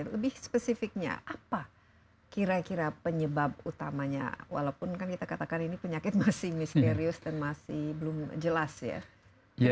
lebih spesifiknya apa kira kira penyebab utamanya walaupun kan kita katakan ini penyakit masih misterius dan masih belum jelas ya